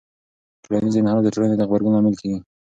ټولنیز انحراف د ټولنې د غبرګون لامل کېږي.